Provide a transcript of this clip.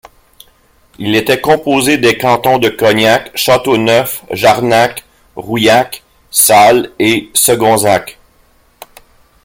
Il était composé des cantons de Cognac, Châteauneuf, Jarnac, Rouillac, Salles et Segonzac.